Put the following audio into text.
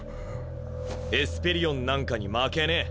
エスペリオンなんかに負けねえ。